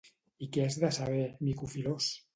—I què has de saber, mico filós!